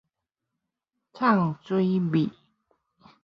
藏水匿